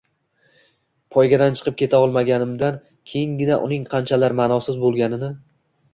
Poygadan chiqib keta olganimdan keyingina uning qanchalar ma’nosiz bo’lganini